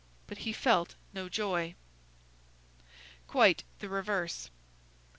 but he felt no joy. Quite the reverse.